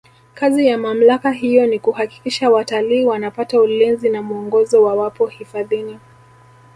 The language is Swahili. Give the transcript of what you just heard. kazi ya mamlaka hiyo ni kuhakikisha watalii wanapata ulinzi na mwongozo wawapo hifadhini